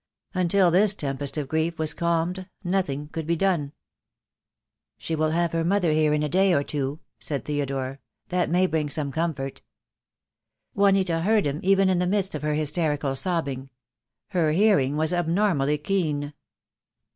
Until this tempest of grief was calmed nothing could be done. "She will have her mother here in a day or two," said Theodore. "That may bring some comfort." Juanita heard him even in the midst of her hysterical sobbing. Her hearing was abnormally keen.